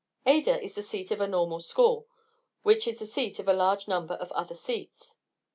Ada is the seat of a Normal School, which is the seat of a large number of other seats.